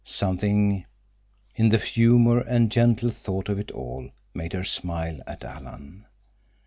Something in the humor and gentle thought of it all made her smile at Alan.